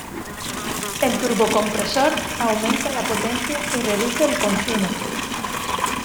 El turbocompresor aumenta la potencia y reduce el consumo.